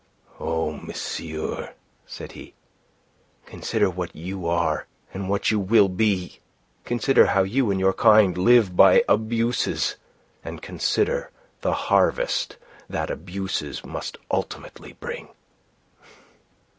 "Oh, monsieur," said he, "consider what you are and what you will be. Consider how you and your kind live by abuses, and consider the harvest that abuses must ultimately bring."